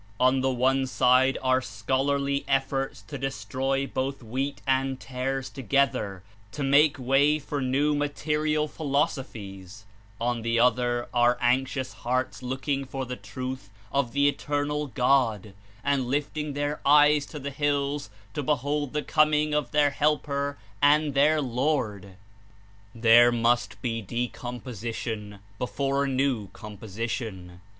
On the one side are scholarly efforts to destroy both wheat and tares together to make way for new 173 material philosophies; on the other are anxious hearts looking for the Truth of the Eternal God and lifting their eyes to the hills to behold the coming of their Helper and their Lord. There must be decomposition before a new com position.